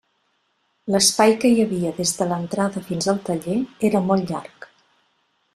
L'espai que hi havia des de l'entrada fins al taller era molt llarg.